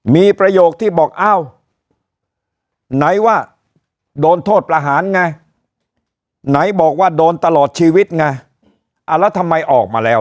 มีประโยคที่บอกอ้าวไหนว่าโดนโทษประหารไงไหนบอกว่าโดนตลอดชีวิตไงแล้วทำไมออกมาแล้ว